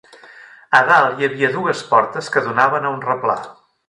A dalt hi havia dugues portes que donaven a un replà